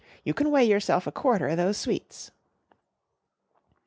You can weigh yourself a quarter o' those sweets."